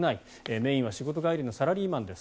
メインは仕事帰りのサラリーマンです。